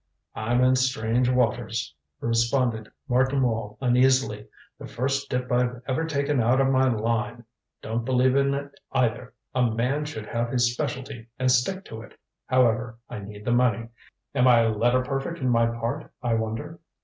"I'm in strange waters," responded Martin Wall uneasily. "The first dip I've ever taken out of my line. Don't believe in it either a man should have his specialty and stick to it. However, I need the money. Am I letter perfect in my part, I wonder?"